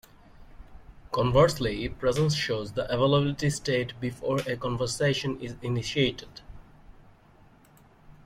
Conversely, Presence shows the availability state before a conversation is initiated.